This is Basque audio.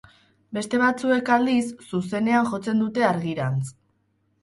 Beste batzuek, aldiz, zuzenean jotzen dute argirantz.